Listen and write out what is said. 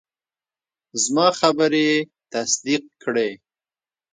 زما خبرې یې تصدیق کړې.